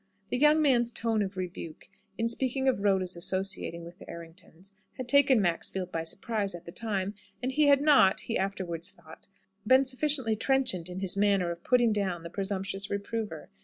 The young man's tone of rebuke, in speaking of Rhoda's associating with the Erringtons, had taken Maxfield by surprise at the time; and he had not, he afterwards thought, been sufficiently trenchant in his manner of putting down the presumptuous reprover.